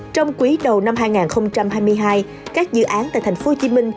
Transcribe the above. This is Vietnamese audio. trong quý đầu năm hai nghìn hai mươi hai các dự án tại tp hcm